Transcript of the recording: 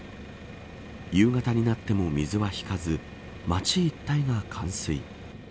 夕方になっても水は引かず町一帯が冠水。